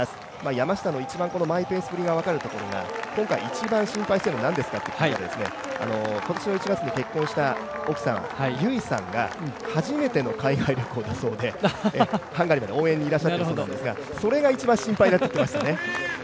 山下のこの一番マイペースっぷりが分かるところが、今回、一番心配しているのは何ですかと聞いたところ今年の１月に結婚した奥さん、由依さんが初めての海外旅行だそうでハンガリーまで応援にいらっしゃったということなんですが、それが一番心配だとおっしゃっていましたね。